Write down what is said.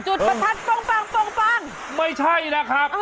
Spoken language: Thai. ประทัดป้องไม่ใช่นะครับ